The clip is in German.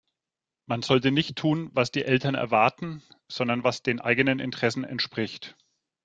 Man sollte nicht tun, was die Eltern erwarten, sondern was den eigenen Interessen entspricht.